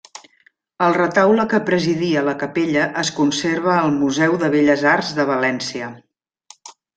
El retaule que presidia la capella es conserva al Museu de Belles Arts de València.